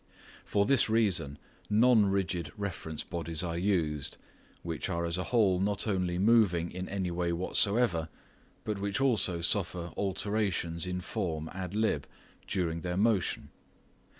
For this reason non rigid reference bodies are used, which are as a whole not only moving in any way whatsoever, but which also suffer alterations in form ad lib. during their motion.